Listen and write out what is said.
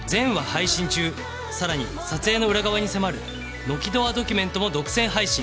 さらに撮影の裏側に迫る「ノキドアドキュメント」も独占配信